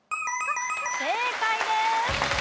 正解です。